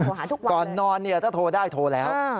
โทรหาทุกวันเลยักเนี่ยถ้าโตได้โตแล้วอา